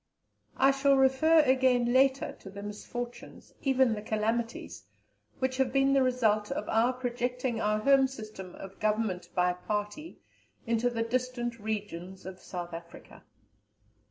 I shall refer again later to the misfortunes, even the calamities, which have been the result of our projecting our home system of Government by Party into the distant regions of South Africa.